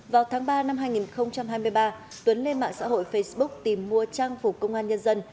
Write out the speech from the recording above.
vào tháng ba năm hai nghìn hai mươi ba tuấn lên mạng xã hội facebook tìm mua trang phục công an nhân dân